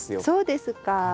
そうですか。